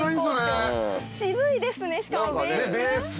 渋いですねしかもベース？